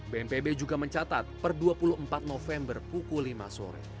bmpb juga mencatat per dua puluh empat november